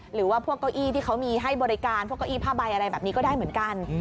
หรือว่าพวกเก้าอี้ที่เขามีให้บริการพวกเก้าอี้ผ้าใบอะไรแบบนี้ก็ได้เหมือนกัน